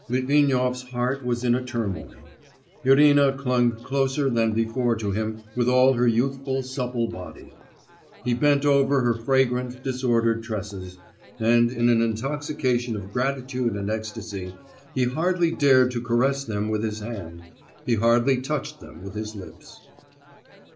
Litvinov's heart was in a turmoil. Irina clung closer than before to him with all her youthful supple body. He bent over her fragrant, disordered tresses, and in an intoxication of gratitude and ecstasy, he hardly dared to caress them with his hand, he hardly touched them with his lips.